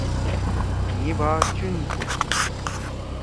مھی بھا چُن تُھو۔